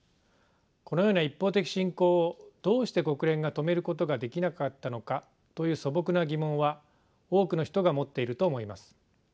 このような一方的侵攻をどうして国連が止めることができなかったのかという素朴な疑問は多くの人が持っていると思います。